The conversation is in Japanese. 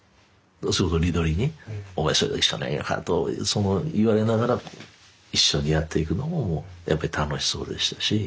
それこそリドリーにお前それだけしかないのかと言われながら一緒にやっていくのもやっぱり楽しそうでしたし。